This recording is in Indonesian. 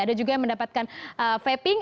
ada juga yang mendapatkan vaping